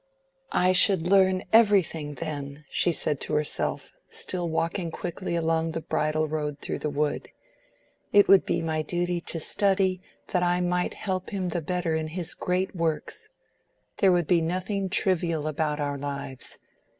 "I should learn everything then," she said to herself, still walking quickly along the bridle road through the wood. "It would be my duty to study that I might help him the better in his great works. There would be nothing trivial about our lives.